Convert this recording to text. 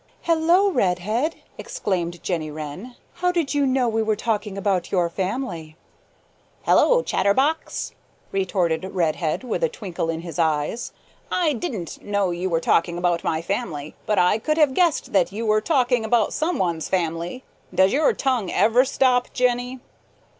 "Hello, Redhead!" exclaimed Jenny Wren. "How did you know we were talking about your family?" "Hello, chatterbox," retorted Redhead with a twinkle in his eyes. "I didn't know you were talking about my family, but I could have guessed that you were talking about some one's family. Does your tongue ever stop, Jenny?"